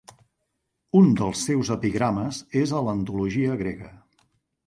Un dels seus epigrames és a l'antologia grega.